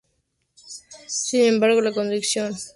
Sin embargo, la conducción en Nairobi es dificultosa.